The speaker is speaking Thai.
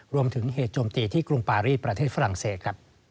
รวมถึงเหตุกระดิษฐรรมจมตีที่กรุงปารีประเทศฝรั่งเศก